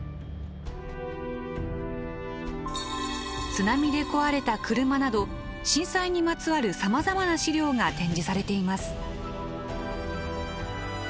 津波で壊れた車など震災にまつわるさまざまな資料が展示されています。